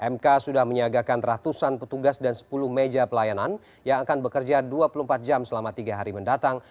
mk sudah menyiagakan ratusan petugas dan sepuluh meja pelayanan yang akan bekerja dua puluh empat jam selama tiga hari mendatang